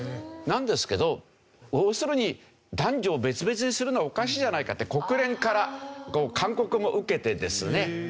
なんですけど要するに男女別々にするのはおかしいじゃないかって国連から勧告も受けてですね。